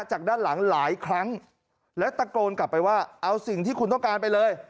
จากด้านหลังหลายครั้งแล้วตะโกนกลับไปว่าเอาสิ่งที่คุณต้องการไปเลย